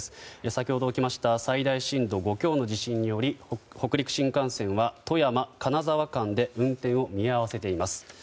先ほど起きました最大震度５強の地震により北陸新幹線は富山金沢間で運転を見合わせています。